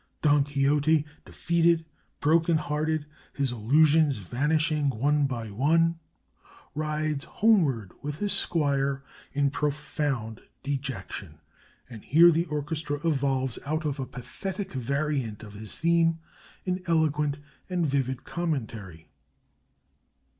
Don Quixote, defeated, broken hearted, his illusions vanishing one by one, rides homeward with his squire in profound dejection; and here the orchestra evolves out of a pathetic variant of his theme an eloquent and vivid commentary.